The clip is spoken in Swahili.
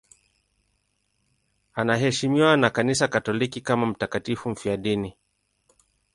Anaheshimiwa na Kanisa Katoliki kama mtakatifu mfiadini.